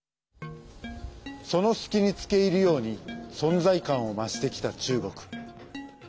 その隙につけいるように存在感を増してきた中国。